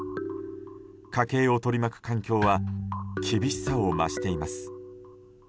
家計を取り巻く環境は厳しさを増しています。